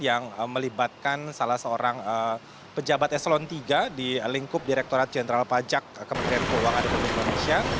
yang melibatkan salah seorang pejabat eselon iii di lingkup direkturat jenderal pajak kementerian keuangan republik indonesia